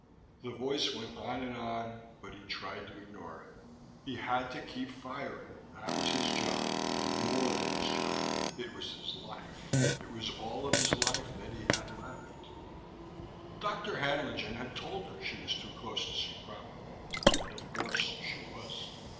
The voice went on and on, but he tried to ignore it. He had to keep firing: that was his job, and more than his job. It was his life. It was all of his life that he had left. Dr. Haenlingen had told her she was too close to see properly, and, of course, she was.